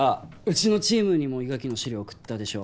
うちのチームにも伊垣の資料送ったでしょ？